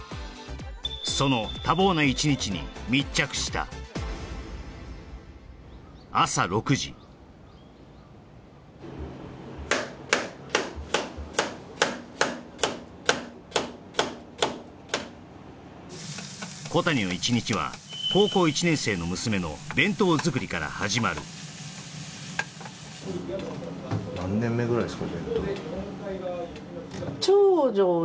その多忙な１日に密着した小谷の１日は高校１年生の娘の弁当作りから始まる何年目ぐらいですか？